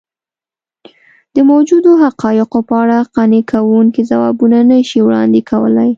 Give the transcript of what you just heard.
د موجودو حقایقو په اړه قانع کوونکي ځوابونه نه شي وړاندې کولی.